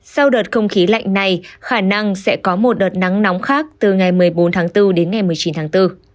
sau đợt không khí lạnh này khả năng sẽ có một đợt nắng nóng khác từ ngày một mươi bốn tháng bốn đến ngày một mươi chín tháng bốn